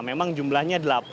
memang jumlahnya delapan